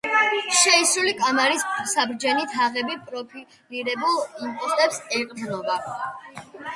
შეისრული კამარის საბრჯენი თაღები პროფილირებულ იმპოსტებს ეყრდნობა.